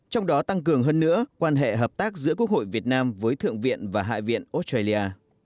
trong đó tăng cường hơn nữa quan hệ hợp tác giữa quốc hội việt nam với thượng viện và hạ viện australia